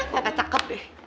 papa cakep deh